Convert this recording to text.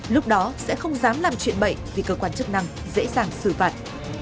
lúc đó sẽ không dám làm chuyện bẩy vì cơ quan chức năng dễ dàng xử phạt